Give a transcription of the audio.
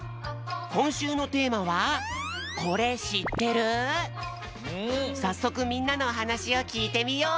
こんしゅうのテーマはさっそくみんなのおはなしをきいてみよう。